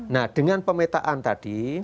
nah dengan pemetaan tadi